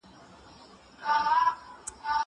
زه اوس سیر کوم!